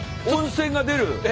温泉が出る？